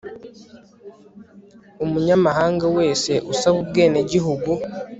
umunyamahanga wese usaba ubwenegihugu